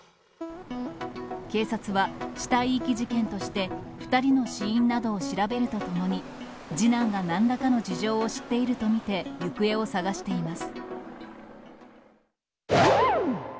警察は、死体遺棄事件として、２人の死因などを調べるとともに、次男がなんらかの事情を知っていると見て行方を捜しています。